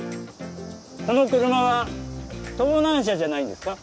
この車は盗難車じゃないんですか？